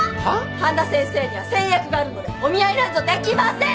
半田先生には先約があるのでお見合いなんぞできません！